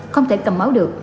không thể cầm máu được